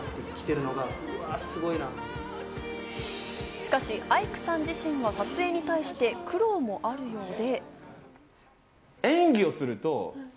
しかし、アイクさん自身は撮影に対して苦労もあるようで。